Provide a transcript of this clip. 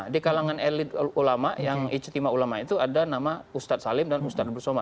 di kalangan elit ulama yang ijtima ulama itu ada nama ustadz salim dan ustadz bursoma